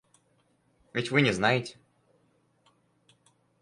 Ведь вы не знаете.